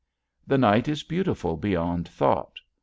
The night is beautiful beyond thought.